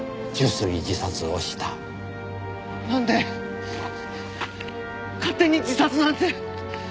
なんで勝手に自殺なんて。